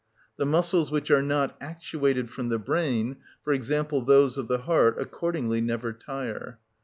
The muscles which are not actuated from the brain—for example, those of the heart—accordingly never tire.